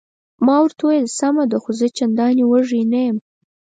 ما ورته وویل: سمه ده، خو زه چندانې وږی نه یم.